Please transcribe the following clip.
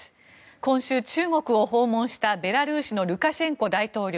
今週、中国を訪問したベラルーシのルカシェンコ大統領。